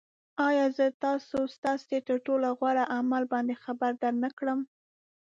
آیا زه تاسو ستاسې تر ټولو غوره عمل باندې خبر درنه نه کړم